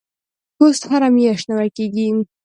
پوست هره میاشت نوي کیږي.